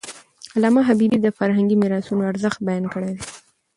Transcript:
علامه حبيبي د فرهنګي میراثونو ارزښت بیان کړی دی.